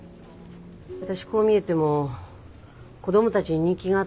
私こう見えても子供たちに人気があった。